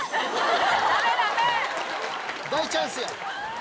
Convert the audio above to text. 大チャンスや！